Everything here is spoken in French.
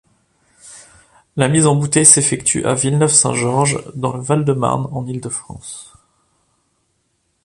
La mise en bouteille s'effectue à Villeneuve-Saint-Georges, dans le Val-de-Marne, en Île-de-France.